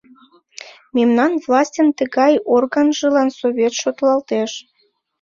Мемнан властьын тыгай органжылан Совет шотлалтеш.